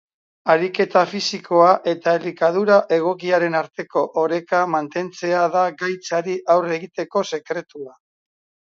Hariketa fisikoa eta elikadura egokiaren arteko oreka mantentzea da gaitzari aurre egiteko sekretua.